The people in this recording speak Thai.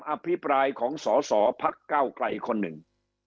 อภิปรายของสอสอพักเก้าไกลคนหนึ่ง